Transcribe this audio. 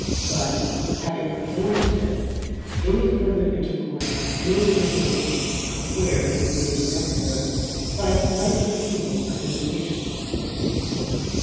But, having performed this, any further intercourse may be avoided (where it is deemed necessary) by a polite refusal of invitations.